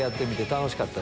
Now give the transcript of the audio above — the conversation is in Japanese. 楽しかった？